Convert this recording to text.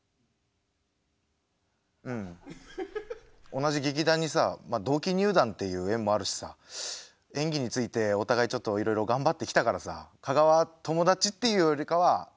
同じ劇団にさまあ同期入団っていう縁もあるしさ演技についてお互いちょっといろいろ頑張ってきたからさ加賀は友達っていうよりかはライバルかな。